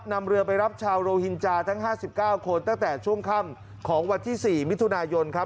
นำเรือไปรับชาวโรฮินจาทั้ง๕๙คนตั้งแต่ช่วงค่ำของวันที่๔มิถุนายนครับ